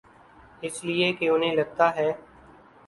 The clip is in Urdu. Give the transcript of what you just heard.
اس لئے کہ انہیں لگتا ہے۔